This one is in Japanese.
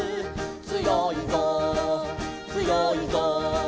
「つよいぞつよいぞ」